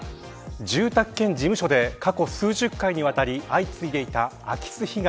住宅兼事務所で過去数十回にわたり相次いでいた空き巣被害。